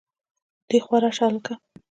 دېخوا راشه هلکه